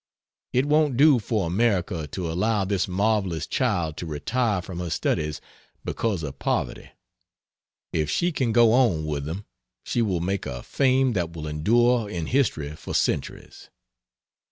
It won't do for America to allow this marvelous child to retire from her studies because of poverty. If she can go on with them she will make a fame that will endure in history for centuries.